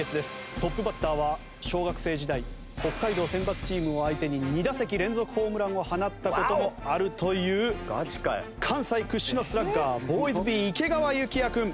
トップバッターは小学生時代北海道選抜チームを相手に２打席連続ホームランを放った事もあるという関西屈指のスラッガーＢｏｙｓｂｅ池川侑希弥君。